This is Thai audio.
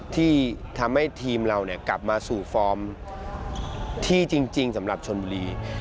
ที่ทำให้ทีมเรากลับมาสู่ฟอร์มที่จริงสำหรับชนบุรี